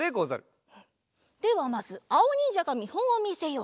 ではまずあおにんじゃがみほんをみせよう。